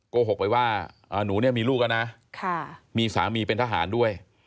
โกหกไปว่าหนูเนี่ยมีลูกแล้วนะมีสามีเป็นทหารด้วย